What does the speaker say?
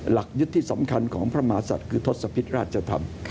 หลักยึดที่สำคัญของพระมหาศัตริย์คือทศพิษราชธรรม